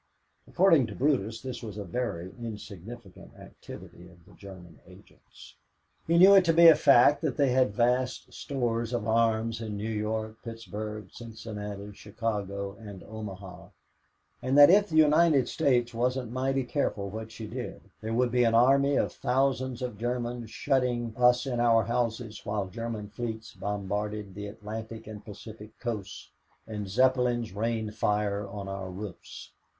According to Brutus, this was a very insignificant activity of the German agents. He knew it to be a fact that they had vast stores of arms in New York, Pittsburgh, Cincinnati, Chicago, and Omaha, and that if the United States wasn't mighty careful what she did there would be an army of thousands of Germans shutting us in our houses while German fleets bombarded the Atlantic and Pacific coasts and Zeppelins rained fire on our roofs.